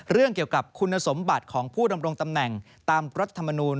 เรื่องเกี่ยวกับคุณสมบัติของผู้ดำรงตำแหน่งตามรัฐธรรมนูล